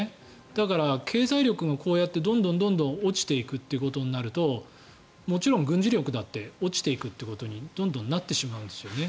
だから経済力がこうやってどんどん落ちていくことになるともちろん軍事力だって落ちていくということにどんどんなってしまうんですよね。